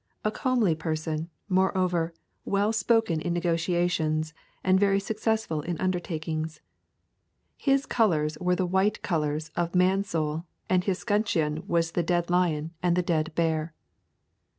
A comely person, moreover, well spoken in negotiations, and very successful in undertakings. His colours were the white colours of Mansoul and his scutcheon was the dead lion and the dead bear.'